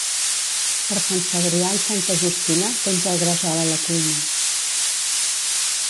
Per Sant Cebrià i Santa Justina, penja el gresol a la cuina.